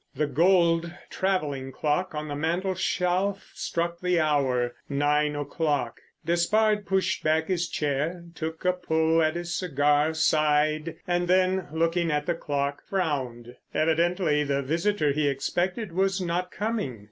The gold travelling clock on the mantelshelf struck the hour. Nine o'clock. Despard pushed back his chair, took a pull at his cigar, sighed, and then, looking at the clock, frowned. Evidently the visitor he expected was not coming.